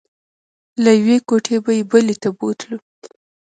له یوې کوټې به یې بلې ته بوتلو.